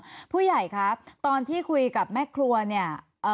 ผู้ใหญ่ครับตอนที่คุยกับแม่ครัวเนี่ย